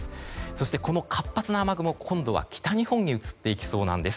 そして、活発な雨雲が今度は北日本に移ってきそうなんです。